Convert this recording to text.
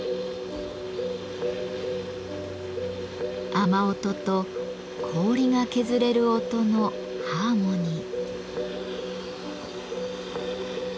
雨音と氷が削れる音のハーモニー。